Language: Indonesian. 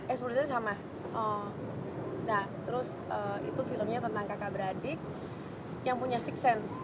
exposure sama nah terus itu filmnya tentang kakak beradik yang punya six sense